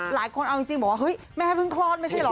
หลายคนเอาจริงบอกว่าเฮ้ยแม่เพิ่งคลอดไม่ใช่เหรอ